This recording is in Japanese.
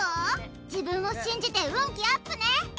「自分を信じて運気アップね」